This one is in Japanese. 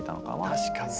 確かに。